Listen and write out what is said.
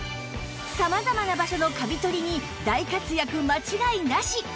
様々な場所のカビ取りに大活躍間違いなし！